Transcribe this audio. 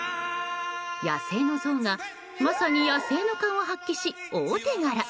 野生のゾウがまさに野生の勘を発揮し大手柄。